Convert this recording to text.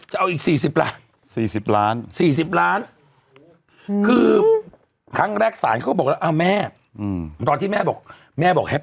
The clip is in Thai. จะเอาอีก๔๐ล้าน